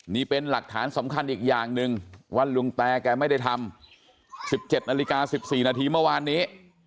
นี่เป็นหลักฐานสำคัญอีกอย่างหนึ่งว่าลุงแตแกไม่ได้ทำ๑๗นาฬิกา๑๔นาทีเมื่อวานนี้